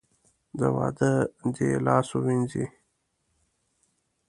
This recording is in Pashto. د واده دې لاس ووېنځي .